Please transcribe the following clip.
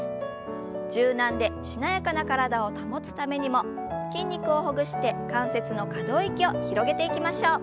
柔軟でしなやかな体を保つためにも筋肉をほぐして関節の可動域を広げていきましょう。